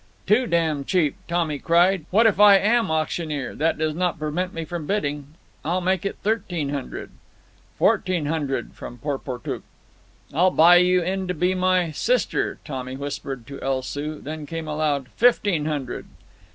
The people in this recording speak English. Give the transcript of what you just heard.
"Too damned cheap!" Tommy cried. "What if I am auctioneer? That does not prevent me from bidding. I'll make it thirteen hundred." "Fourteen hundred," from Porportuk. "I'll buy you in to be my—my sister," Tommy whispered to El Soo, then called aloud, "Fifteen hundred!"